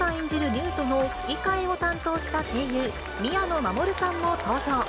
ニュートの吹き替えを担当した声優、宮野真守さんも登場。